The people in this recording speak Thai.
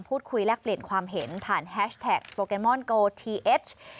พูดคุยและเปลี่ยนความเห็นผ่านแฮชแท็กโปรแกนมอนโกรธทีเอช